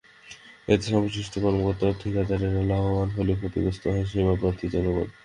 এতে সংশ্লিষ্ট কর্মকর্তা ও ঠিকাদারেরা লাভবান হলেও ক্ষতিগ্রস্ত হয় সেবাপ্রার্থী জনগণ।